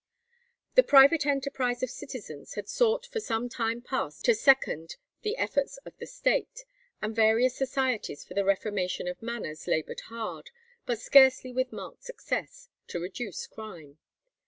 The private enterprise of citizens had sought for some time past to second the efforts of the State, and various societies for the reformation of manners laboured hard, but scarcely with marked success, to reduce crime.